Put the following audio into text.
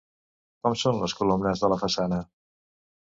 Com són les columnes de la façana?